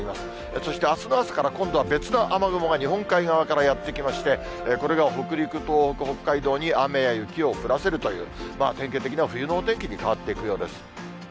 そしてあすの朝から、別な雨雲が日本海側からやって来まして、これが北陸、東北、北海道に雨や雪を降らせるという、典型的な冬のお天気に変わっていくようです。